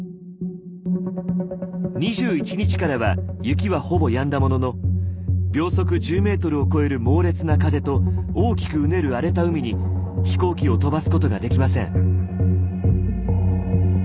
２１日からは雪はほぼやんだものの秒速１０ｍを超える猛烈な風と大きくうねる荒れた海に飛行機を飛ばすことができません。